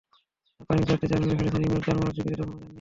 তামিম চারটি চার মেরে ফেলেছেন, ইমরুল চার মারার ঝুঁকিতে তখনো যাননি।